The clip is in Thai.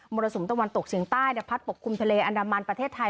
รสุมตะวันตกเฉียงใต้พัดปกคลุมทะเลอันดามันประเทศไทย